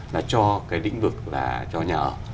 là cho cái lĩnh vực là cho nhà ở